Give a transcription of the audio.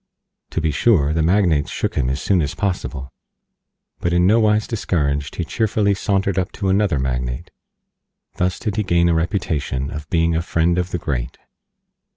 To be sure, the Magnates shook him as soon as possible, but in no wise discouraged he cheerfully sauntered up to another Magnate. Thus did he gain a Reputation of being a friend of the Great.